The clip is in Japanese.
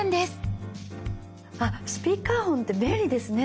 あっスピーカーフォンって便利ですね！